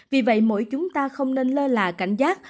vì vậy mỗi chúng ta không nên lơ là cảnh giác